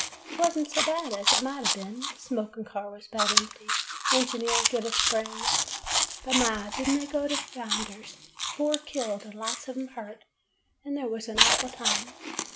" 'T was n't so bad as it might ha' been. Smoking car was about empty, engineer give a spring, but, my! did n't they go to flinders! Four killed, and lots of 'em hurt, and there was an awful time